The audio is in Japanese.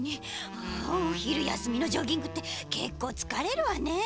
ああおひるやすみのジョギングってけっこうつかれるわねえ。